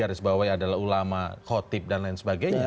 harisbawahi adalah ulama khotib dan lain sebagainya